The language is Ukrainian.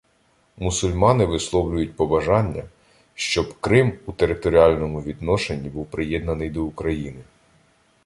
Мусульмани висловлюють побажання, щоб Крим у територіальному відношенні був приєднаний до України.